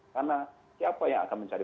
karena siapa yang akan mencari